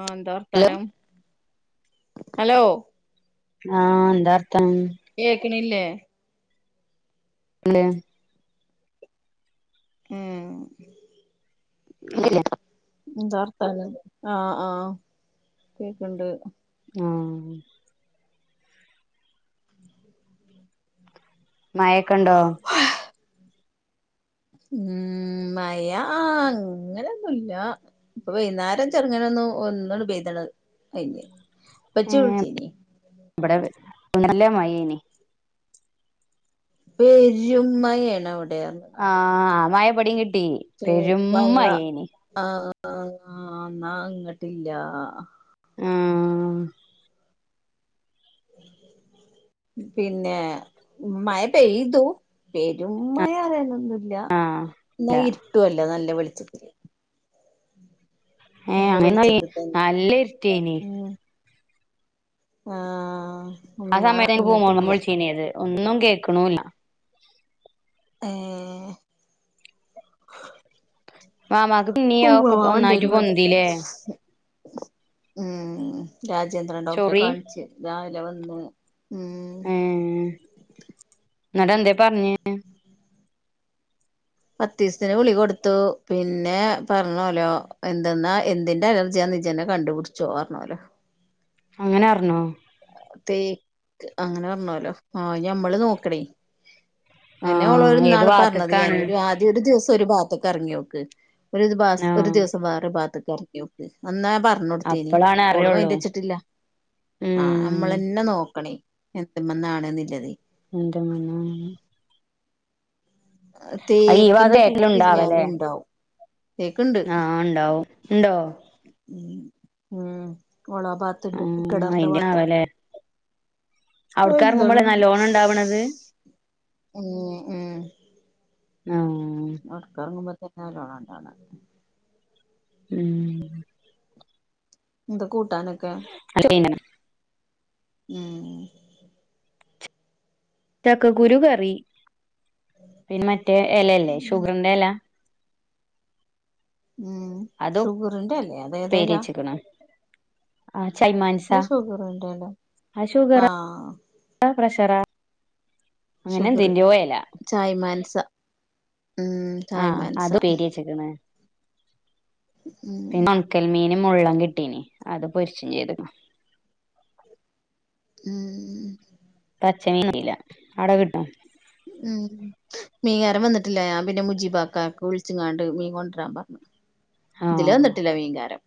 ആഹാ ന്താ ഹലോ വർത്താനം ഹലോ ങാ കേക്കണില്ലേ? അല്ലെ ഉം. ക്കില്ല എന്താർത്താനം ആഹ് ആഹ കേക്കിണ്ട്. ഉം. മഴയെക്കൊണ്ടോ? ഉം മയാ ആ അങ്ങനൊന്നുല്ല. ഇപ്പ വൈയ്യുന്നേരം ചെറുങ്ങന ഒന്നു ഒന്ന പെയ്തണത് കയിഞ്ഞ് ഉപ്പച്ചി ഏഹ് വിളിച്ചിന് ഇവിടെ ഇന്നനല്ലേ മഴേനി പെരുമയയാണ അവി എന്നത് ആഹ് മഴ ഇബടിം കിട്ടി ചെ പെരും വെള്ള മഴേനി ആ ആ ആന്നാ ഇങ്ങട്ടില്ല ഹ ആഹ പിന്നെ ഉം മയ പെയ്തു പെരുമ്മയ എനെന്നുല്ല ഇല്ല ആഹ് എന്നാ ഇരുട്ടുവല്ല നല്ല വെളിച്ചത്തില് ഏ നല്ല അങ്ങന വെളിച്ചത്തിൽ തന്നെ നല്ല ഇരുട്ടേനി ആഹ ആ സമര എൻ പോണു വിളിച്ചേനീത് ഒന്നും കേക്കണൂല്ല ഏ ഹ [unintelligible] മാമാക്ക് പിന്നിം അതൊക്കെ ഒന്നായിട്ട് പൊന്തില്ലേ ഉം രാജേന്ദ്രൻ ഡോക്ടറെ ചൊറി കാണിച്ച് രാവിലെ വന്നു [unintelligible] ഉം നിട്ടെന്തെ പർഞ്ഞ് പത്തീസത്തിന് ഗുളികൊടുത്തു പിന്നെ പരണോലോ എന്തെന്നാ എന്തിൻ്റെ അലർജിയ ന്ന് ജെന്നെ കണ്ടുപിടിച്ചോ പർ ങ്ങോലോ അങ്ങനെ അറഞ്ഞോ തേക്ക് അങ്ങനെ അർണോലോ ആ ഞമ്മള് നോക്കണെയ് അന്നെ ആഹ് ഓളോട് ഏത് ന്നാളും പറഞ്ഞത് ഞാന് ഭാഗത്ത്ക്കാണ് ഒരു ആദ്യ ഒരു ദിവസം ഒരു ഭാത്ത്ക്കറങ്ങിയോക്ക് [unintelligible] ഒരു ആഹ് ദിവസം വേറൊരു ഭാഗത്ത്ക്കറക്കിയോക്ക് [unintelligible] പർണൊട്ത്തേനി അപ്പളാണ് ഓള് അറിയുള്ളൂ മൈൻ്റെച്ചിട്ടില്ല ആ ഉം നമ്മളെന്നെ നോക്കണെയ് എന്ത്മ്മന്നാണ് ന്ന്ള്ളതെയ് [unintelligible] ഈ ഭാഗ തേക്കിന്റെ പൂ വിരിഞ്ഞാലുണ്ടാവും ആ ണ്ടാവും ണ്ടോ ഉം ഉം മോണാ ഭാത്ത്ണ്ട് ആഹ് കെണർൻ്റാ അയിന്റെ ഭാത്ത് ആവല്ലേ അ അവിടക്ക് എന്താണ് ഇറങ്ങുമ്പോളെ നല്ലോണം ഉണ്ടാവണത് [unintelligible] ഉം ഉം ആഹ് നടക്കാറങ്ങുമ്പോ തന്നെ ഒരു ആട്ടാണ് ഉം ന്താ കൂട്ടാനൊക്കെ പിന്നെ ഉം ചക്കക്കുരു കറി പിന്നെ മറ്റേ എലല്ലേ ഷുഗറിന്റെ എല ഉം അത് ഷുഗറിന്റെ എലേ അത് ഏതേലാ ആ ചൈമാൻസ ഷുഗറിന്റെല്ലേ ആ ഷുഗറ ആഹ് അ പ്രഷറാ അങ്ങനെ ഷുഗറ് എന്തിന്റെയോ എല ചായ് മാൻസ ഉം ചായ് ആഹ മാൻസ അത് ഉപ്പേരി വെച്ചക്കണ് ഉം പിണക്കൽ മീ മുള്ളൻ കിട്ടീനീ അത് പൊരിച്ചും ചെയ്തുക്കണ് ഉം പച്ചമീനല്ല അട കിട്ടും ഉം മീൻകാരൻ വന്നിട്ടില്ല ഞാൻ പിന്നെ ഞാൻ മുജിബാക്കക്കെ വിളിച്ച് ഇങ്ങാണ്ട് മീൻ കൊണ്ടിരാൻ പറഞ്ഞു ഇതില് ആഹ് വന്നിട്ടില്ല മീങ്കാരം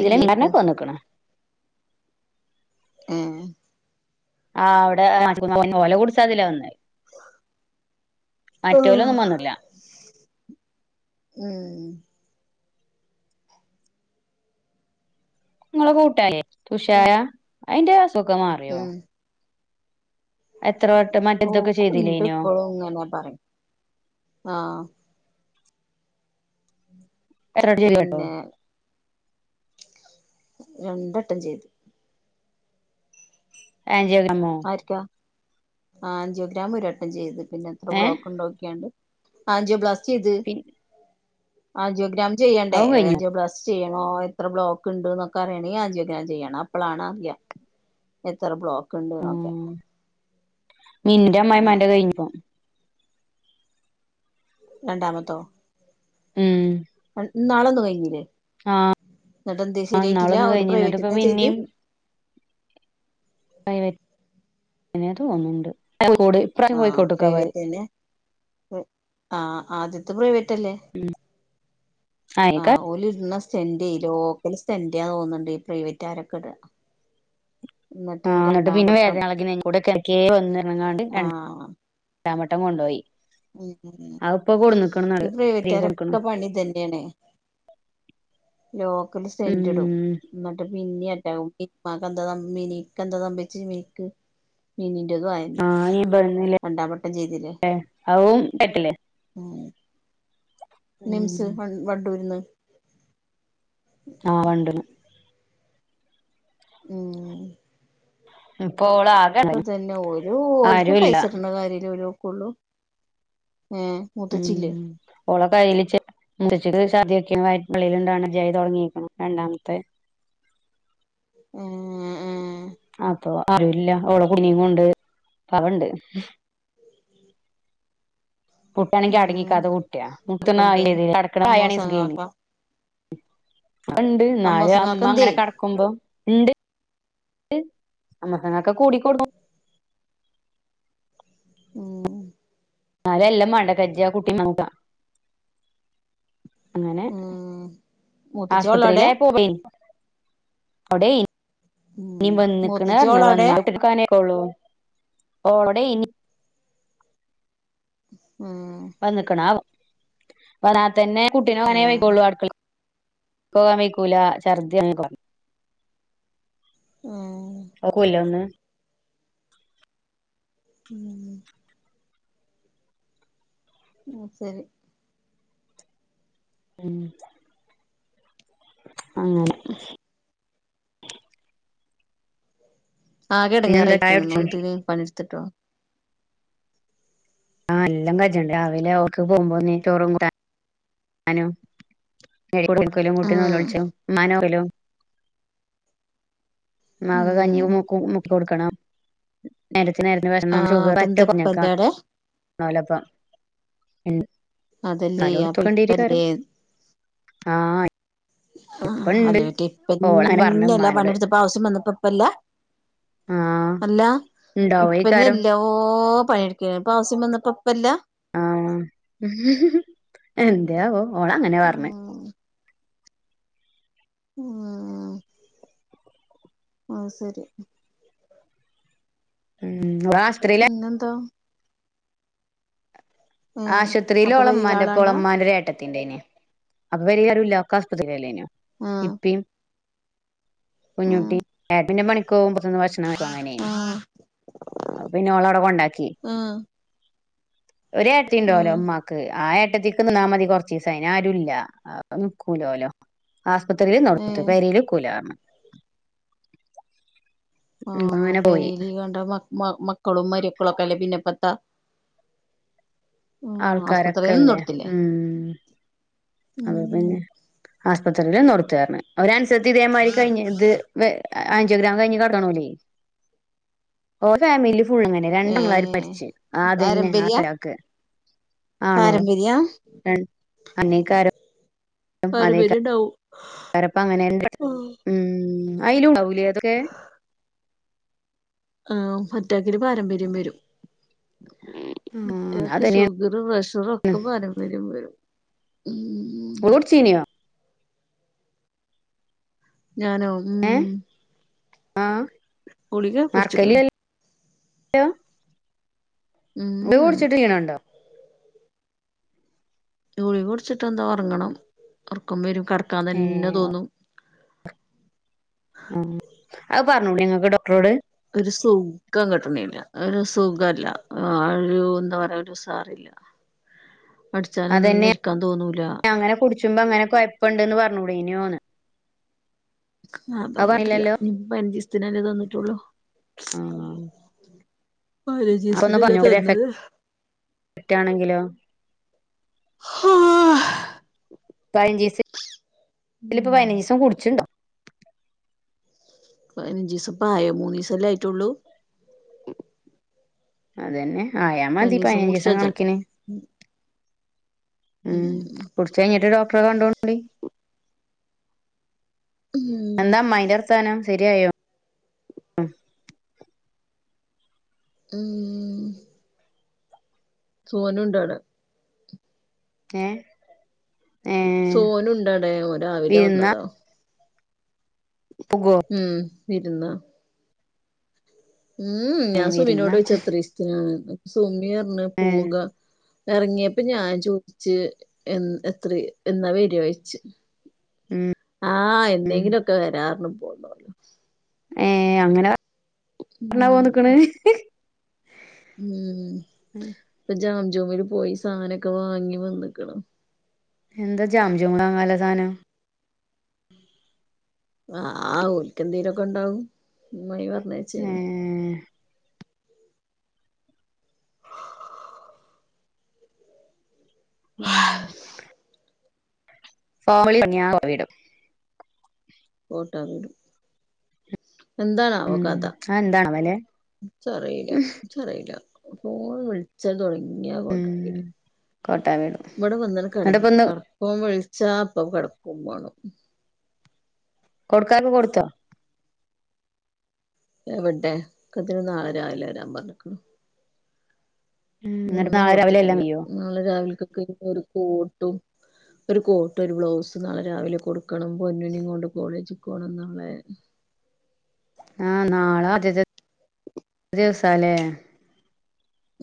ഇതില് മീൻകാരനക്കെ വനകണ് ഏഹ് ആ് അവിടെ ഓല കൂടിച്ച അതില വന്ന മറ്റോരൊന്നും വന്നിടില്ലാ ഉം നിങ്ങളെ കൂട്ടേ ഉം തുഷായ അയിന്റെ അസുഖൊക്കെ മാറിയോ ഉം എത്ര വട്ടം ഓ മറ്റേതൊക്കെ കൊണ്ട് ചെയ്തില്ലേനോ ഇപ്പോളും ഇങ്ങനെ പറയും ആഹ എറാട ചേരി [unintelligible] കേട്ടോ പിന്നെ രണ്ടട്ടം ചെയ്തു ആൻജിയോഗ്രാം ആര്ക്കാ ആൻജിയോഗ്രാം ഒരട്ടം ചെയ്ത് പിന്നെ എത്ര ഏ ബ്ലോക്ക് ഉണ്ട നോക്കിയണ്ട് അൻജിബ്ലാസ്റ്റി ചെയ്ത് പിൻ ആൻജിയോ ഗ്രാം ചെയ്യണ്ടേ അതും കഴിഞ്ഞോ ആൻജിബ്ലാസ്റ്റി ചെയ്യ ആ എത്ര ബ്ലോക്ക് ഉണ്ട് എന്നൊക്കെ അറിയണെ ആൻജിയോഗ്രാം ചെയ്യണം അപ്പളാണ് അറിയാം എത്ര ബ്ലോക്ക് ഉണ്ട് എന്നൊക്കെ മന്നന്റെ അമ്മമായിമാന്റെ കഴിഞ്ഞപ്പോം രണ്ടാമത്തോ? ഉം ഇന്നാള് ഒന്ന് കഴിഞ്ഞില്ലേ ആ എന്നിട്ട എന്ത് ശരിയായിട്ടില്ല ഇന്നാളൊന്ന് ഒരു കഴിഞ്ഞ് എന്നിട്ട് ഇപ്പൊ പ്രൈവറ്റ്ന്നാ ചെയ്ത്, പിന്നെയും പ്രൈവറ്റ് തന്നെ തോന്നുന്നുണ്ട് കോഴിക്കോട് ഇപ്രാവശ്യം ആഹ കോഴിക്കോട്ട്ക്കാ പോയത് പ്രൈവറ്റ് തന്നെ ആ ആദ്യത്തെ പ്രൈവറ്റ്, റ്റ്ലെ ഉം ആ അയിക്ക ഓല ഇര് സെന്റ് ചെയ സെന്റ് ചെയ്യാൻ തോന്നുന്നുണ്ട് ഈ പ്രൈവറ്റ് ആരൊക്കെ ഇട ആഹ് എന്നിട്ട് രണ്ടാം പിന്നെ വട്ടം വേദനളകിൻ കൂടെ കിക്ക വന്നിറങ്ങാണ്ട് ആ രണ്ട് രണ്ടാമട്ടം കൊണ്ടുപോയി ഉ ഈ കൊടുന്ന്ക്ക്ണ്ന്നറിയ കൊടുക്ക്ണ് പ്രൈവറ്റാരൊക്കെ പണി ഇതെന്നെയാണ് ലോക്കല് സെന്റ് ഇടും ഉം എന്നിട്ട് പിന്നെറ്റയും ഇമ്മാക്ക് സംഭവിച്ചേ മിനീക്ക് മീനീന്റെത് ആയോ അവും കെട്ടില്ലേ ആ മിംസ് വണ്ടൂരുന്ന് ആഹ് വണ്ടന ഉ ഇപ്പൊ ഓള് ആകെ അപ്പ തന്നെ ഒരു ഓലക്ക് ആരുല്ല പൈസ ഇടണ കാര്യൽ ഒരുക്കള്ളൂ ആഹ് ഉം മുത്തച്ചില്ലേ കുച്ച സദ്യൊക്ക വയറ്റ മള്ളയിലുണ്ടാണ് ജയ് തുടങ്ങിരിക്കണം രണ്ടാമത്തെ ആ ആ അപ്പൊ അറില്ല ഓള കുനിയ കൊണ്ട് പണ്ട് പുട്ടാണിക്ക ഉം അടങ്ങിക്കത കുട്ടിയ അപ്പൊ എന്തേ മുട്ടനത കടക്കട ആയ സുഖായി അമ്മോസങ്ങാക്ക ഉണ്ട് ന്നാലും അമ്മ അമ്മോസങ്ങാക്കന്തേ അങ്ങനെ കടക്കുമ്പോം ഉണ്ട് അമോശം ക്കാക്ക കൂടികൊടുക്കും ആ എന്നാല എല്ലാം മണ്ടേ കുട്ടി ചെയ്യ അങ്ങനെ ഉം മൂത്തച്ചി ഓളെ അവിടെ ആസ്പത്രിയിലായപോ പോയി അവിടെ ഉം ഇനി വന്ന്ക്ക്ണ് മൂത്തച്ചി പറഞ്ഞ് ഓളെ അവിടെ എന്നോട്ട്ക്കാണെക്കും പോളൂ ഓളടെ ഇനി ഉ വന്ന്ക്കണ വരാത്തെന്നെ കുട്ടീെനെ വാണെ ആഹ് വൈകോള്ളൂ ആൾ പോക്കാൻ വെയിക്കൂല ഛർദിയാണ് പറഞ്ഞു ആഹ് ഓക്കുലെ ഒന്ന് ഉം ഉ ഉം അങ്ങനെ ആകെ പിന്നെന്താ ചായ എടങ്ങാറായിക്കണ് കുടിച്ചോ ഒന്തിന് പണിയെടുത്തിട്ടോ ആഹ എല്ലാം കജ്ണ്ട് രാവിലെ ഒർക്ക് പോകുമ്പോ നീ ചോറും കൂട്ട മാനും [unintelligible] കൂട്ടി ആഹ് നൊലെളിച്ചും ഇമ്മനോല്ലോ മക കഞ്ഞി ഉം മുക്കു മുക്ക് കൊടുക്കണം നേര നേരത്തെ വരുന്നേ ആഹ് ഷുഗർ അപ്പൊ മറ്റെ എന്താ ഇപ്പ ഇല്ലേ അവിടെ കുറഞ്ഞേക്കലപ്പ അതല്ലേ അപ്പൊ നല്ലോടത്തൊക്കണ്ടിരിക്കാരും ഇപ്പല്ലേ ആഹ ആ ഹലോ ട്ടി പറഞ്ഞ് ഇപ്പന്നല്ലാ ഉമ്മാനോട് പണിടുത്തപ്പ ആവശ്യം വന്നപ്പോ ഇപ്പല്ല ആഹ് അല്ല ഇണ്ടാവേക്കാരം ഇപ്പര്യല്ല പഴയിക്ക ആവശ്യം വന്നപ്പം ഇപ്പം ഇല്ല ആഹ എന്തയാവോ ഓള് അങ്ങനെ പറഞ്ഞേ ഉം ആഹ ആഹ ശരി ഉം ഓളാശുപത്രിയിലെ പിന്നെന്താ ഏഹ് ആശുപത്രിയിൽ അപ്പൊ ഓളെ പെരേല് ഇമ്മാന്റെപ്പം ഓളെ ആളാണ്ടാ ഇമാൻ്റെരെട്ടതി ഇണ്ടെന്യ അപ്പൊ വല്യറിവില ഒക്കെ ആശുപത്രില്ലലേനോ ആഹ് ഇപ്പും ആഹ് കുഞ്ഞുട്ടി ഏട്ടൻ പിന്നെ പണിക്കോകുമ്പോ പുറത്തിന്ന് ഭക്ഷണം കഴിക്കും അങ്ങനെന്നു ആഹ് പിന്നെ ഓളാടെ കൊണ്ടാക്കി ആഹ് ഒരെട്ടത്തി ഉണ്ടോലെ ആഹ് ഉമ്മാക്ക് ആ എ എട്ടത്തിക്കുന്നിന്നാ മതി കൊറച്ചിസം അയിനാരുല്ല അത് നിക്കൂലോലോ ആശുപത്രിയിൽ നിന്നെടത്തിട്ട് ഏഹ് പേരല് നികുലാന്ന് ആഹ് അപ്പങ്ങനെ പോയി പെരെലികണ്ട മ മ മക്കളും മരിക്കളൊക്കെ ഇല്ല പിന്നെപ്പത്ത ഉം ആസ്പത്രില് ആൾക്കാരൊക്കെല്ലേ നിന്നൊടുത്തില്ലേ അത് പിന്നെ ആസ്പത്രിയില നി ണൊടുത്തെ പറഞ്ഞെ അവര് സത്യതേമാരി കഴിഞ്ഞ ഇത് ആറ്റിഗ്രാം കഴിഞ്ഞ് കെടക്കണോല് ഒ ഫമിലി പുഴുങ്ങനെ രണ്ട് പിള്ളേർ ഏഹ് മരിച്ച് ആ അതെന്നെ പാരമ്പര്യ ആതത്താക്ക് ആണോ പാരമ്പര്യ രണ്ട് അനെക്കാരം പരുപേര് ഉണ്ടാവും വരപ്പങ്ങനെ എന്ത ഉ ആയിലുണ്ടാവൂല അതൊക്കെ ആറ്റാക്കിന് പാരമ്പര്യം വരും ഉം അറ്റാക്ക് അതന്നെയാണ് ഷുഗർ പ്രഷറ് ഒക്കെ പാരമ്പര്യം വരും ഉം ഗുളി കുടിച്ചിനേ ഞാനോ ഉം ഏ ആ ഗുളിക കുടിച്ചിക്കണ് ടും ഇത് ഉം കുടിച്ചിട്ട് ക്ഷീണണ്ടോ ഗുളിക കുടിച്ചിട്ട് ഒന്ന് ഒറങ്ങണം ഒറക്കം വരും കടക്കാ ഏ തന്നെ തോന്നും പറഞ്ഞോൂടെ. നിങ്ങൾക്ക് ഡോക്ടറോട് ഒരു സുഖം കിട്ടണല്ല ഒരു സുഖല്ല ഒരു എന്താ പറയാ ഒരുസാറില്ല അതന്നെ തോന്നൂല അങ്ങനെ കുടിച്ചുമ്പ അങ്ങനെ ഇപ്പണ്ടന്ന് പറഞ്ഞൂടെ ഇനോന്ന് ആഹ് പറഞ്ഞിട്ടില്ല നീ പഞ്ചിസ്ത്തിനല്ലേത് തന്നിട്ടുള്ളു ആ പതിനഞ്ചീസത്ത്നല്ലെ തന്നത് തെറ്റാണെങ്കിലോ ആഹ് പതിനഞ്ച് ദിവസത്തില് പ്പം ഉം പതിനഞ്ച് ദിവസം കുടിച്ചുണ്ടോ പതിനഞ്ച് ദിവസംപ്പായോ മൂന്നു ദിവസ ല്ലെ ആയിട്ടുള്ളൂ അതന്നെ ആയാമതി പനീസും പതിനഞ്ച് ദിവസം കുടിച്ചച്ചണ്ട് കണക്കന് ഉം കുടിച്ച് കഴിഞ്ഞിട്ട് ഡോക്ടറെ കണ്ടോളണ്ടി ഉം എന്താ അമ്മായിൻ്റെർത്താനം ശരിയായോ ഉം സോനുണ്ടവിടെ ഏ ഏ സോനുണ്ടടേ ഓൻ രാവിലെ വിരുന്നാ വന്നതാ പോകോ ഉം വിരുന്നാ ഉം ഏ ഞാൻ സുമിനോട് വിരുന്നാ പോയ്ച്ച് എത്രീസ്ത്ത്നാണ് സുമി പറഞ്ഞ് ഏ പോക ഇറങ്ങിയപ്പ ഞാൻ ചോദിച്ചു എ എത്ര എന്നാ വരുവായ്ച്ചു ഉം ആഹ് ഉം എന്നെങ്കിലുക്കെ വരാറ്ഞ്ഞ് പോയിക്ക്ണ് ഏ അങ്ങനെ പറ ഉം പോന്നിക്കണ് ഉം പജോ ജോമിൽ പോയി സാധനൊക്കെ വാങ്ങി വന്നക്കണ എന്താ ജാം ജൂണാ ങ്ങാള്ള സാധനം ആഹ് ആ ഓൽക്ക് എന്തേലൊക്കെ ഉണ്ടാവും അമായി ഏ പറഞ്ഞച്ചേനി ഉം ഫളിടും കോട്ടാവിടും എന്താണാവോ ഉം അതെന്താണാവല്ലേ കഥച്ചറിയിലച്ചറിയില പോൻ വിളിച്ചത് തുടങ്ങി ഉം കൊട്ടാവിടും കോട്ടാ വീടും വടെ വന്ന് എന്നിട്ടിപ്പ കടന്നാ ഇന്ന് കട വഴി ചാപ്പ കിടക്കും വേണം കൊടുക്കാ ള്ളെ കൊടുത്തൊ എവിടേ ക്കതിന്നു നാളെ രാവിലെ വരാൻ പറഞ്ഞു ക്കണ് ഉം എന്നിട്ട് ഒന്നും നാളെ രാവിലെ എല്ലാം കൊടുത്തിട്ടില്ല കഴിയോ നാളെ രാവിലൊക്ക ഞ്ഞ് ഒര് കോട്ടും ഒരു കോട്ട് ഒരു ബ്ലൗസ് നാളെ രാവിലെ കൊടുക്കണം പൊന്നു നിം കൊണ്ട് കോളേജിൽ പോണം നളെ ആഹ് നാളെ ആദ്യ ദിവസല്ലേ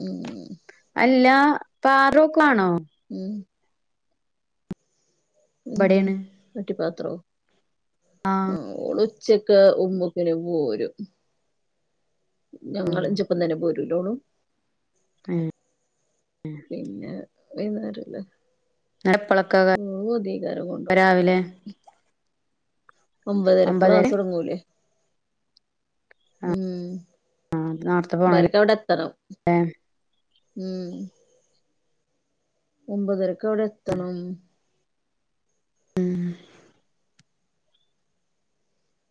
ഉം ഉം അല്ല ഫാറൂഖാണോ ഉം എന്ത് ഇബടേണ് വട്ടി പാത്രോ ആഹ് ഉച്ചക്ക് ഉമ്മക്കിന് പോരും ഞങ്ങൾ ആഹ് എചപ്പം തന്നെ പോരൂലോണു ഏഹ് പിന്നെ വൈന്നേരല്ലേ ഇങ്ങളെപ്പളൊക്കെ ഉ അധീകാരം കൊണ്ടുപോക രാവിലെ ഒമ്പതരക്ക് ഒമ്പതര ക്ലാസൊടങ്ങൂലേ ഉം നേർത്തെ പോണല്ലേ വർക്കവിടെ എത്തണം ഉം ഒമ്പതരക്ക് അവിടെ എത്തണം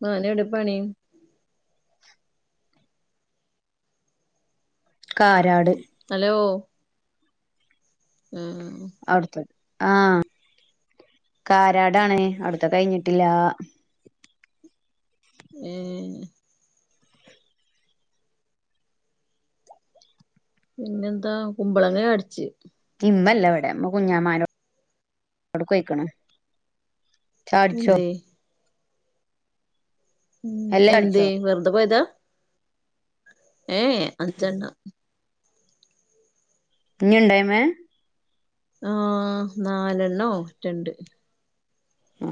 നാളെ എവിടെപ്പണി? കാരാട് ഹലോ ആഹ അവിടുത്ത ആഹ കാരാടാണ് അവിടുത്തെ കഴിഞ്ഞിട്ടില്ല ഉം പിന്നെന്താ കുമ്പളങ്ങ അടിച്ച് ഉമ്മല്ല വടെ മ്മ കുഞ്ഞമാൻ്റോട്ക്ക് പൊയ്ക്ക്ണ് എന്തെ? ഉം എല്ലാം എന്തെ ചായുടിച്ചോ വെറുതെ പോയതാ ഏ അഞ്ചെണ്ണം നിഞുണ്ടായി്മ ആ നാലെണ്ണോ രണ്ട് ആ